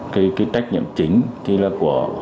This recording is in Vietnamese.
cái trách nhiệm chính thì là của